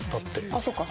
あっそっか。